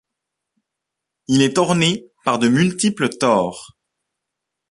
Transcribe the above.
Il est orné par de multiples tores.